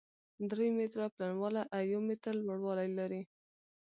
درې متره پلنوالی او يو متر لوړوالی لري،